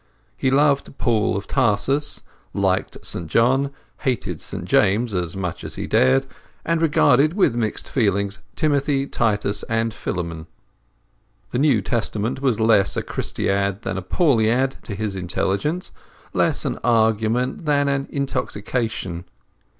He loved Paul of Tarsus, liked St John, hated St James as much as he dared, and regarded with mixed feelings Timothy, Titus, and Philemon. The New Testament was less a Christiad then a Pauliad to his intelligence—less an argument than an intoxication.